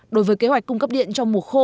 đối với kế hoạch cung cấp điện trong mùa khô